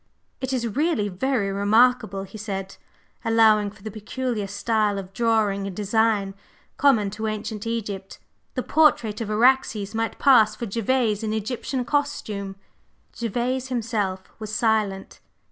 "It is really very remarkable!" he said. "Allowing for the peculiar style of drawing and design common to ancient Egypt, the portrait of Araxes might pass for Gervase in Egyptian costume." Gervase himself was silent.